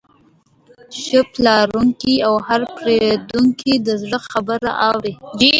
ښه پلورونکی د هر پیرودونکي د زړه خبره اوري.